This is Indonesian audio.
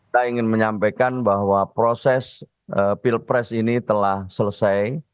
saya ingin menyampaikan bahwa proses pilpres ini telah selesai